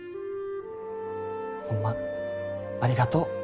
ホンマありがとう。